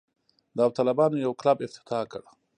داوطلبانو یو کلب افتتاح کړ.